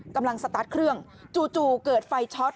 กำลังสตาร์ทเครื่องจู่เกิดไฟช็อต